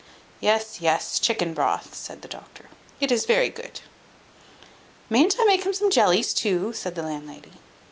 "Yes, yes, chicken broth," said the doctor, "is very good." "Mayn't I make him some jellies too?" said the landlady.